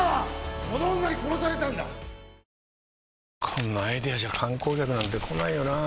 こんなアイデアじゃ観光客なんて来ないよなあ